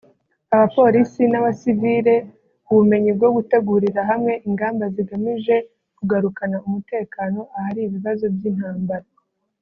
abapolisi n’abasivile ubumenyi bwo gutegurira hamwe ingamba zigamije kugarukana umutekano ahari ibibazo by’intambara